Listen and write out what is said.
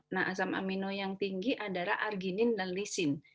nah asam amino yang tinggi adalah argenin dan lisin